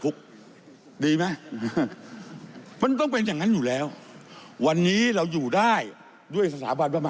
ยังมีอีกเสียงนึงที่คุณชาดาไทเสยฯได้ลุกขึ้นพูดฮะ